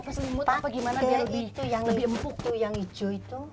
pas limut apa gimana biar lebih empuk tuh yang hijau itu